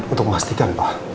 untuk memastikan pak